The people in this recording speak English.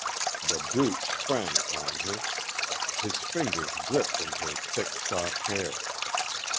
The Brute sprang upon her. His fingers gripped in her thick, soft hair.